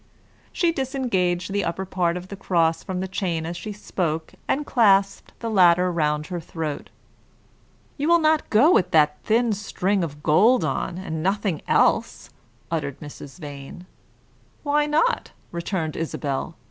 She disengaged the upper part of the cross from the chain as she spoke, and clasped the latter round her throat. "You will not go with that thin string of gold on, and nothing else!" uttered Mrs. Vane. "Why not?" returned Isabel.